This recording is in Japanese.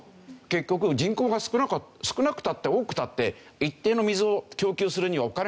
結局人口が少なくたって多くたって一定の水を供給するにはお金かかるでしょ。